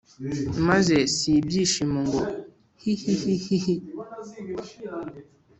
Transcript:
maze si ibyishimo ngo hihihihi